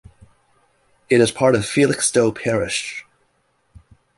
It is part of Felixstowe parish.